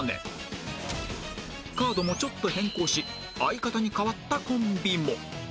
カードもちょっと変更し相方に代わったコンビも